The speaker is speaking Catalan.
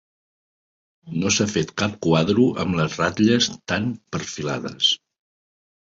No s'ha fet cap quadro amb les ratlles tan perfilades